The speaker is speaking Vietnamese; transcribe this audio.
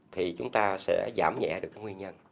thì chúng ta sẽ giảm nhẹ được nguyên nhân